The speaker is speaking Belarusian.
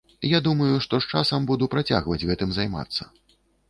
Я думаю, што з часам буду працягваць гэтым займацца.